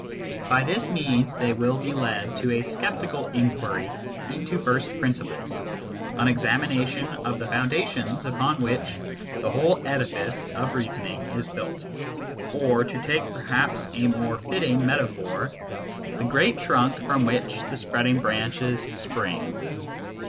By this means they will be led to a sceptical inquiry into first principles, an examination of the foundations upon which the whole edifice of reasoning is built, or, to take perhaps a more fitting metaphor, the great trunk from which the spreading branches spring.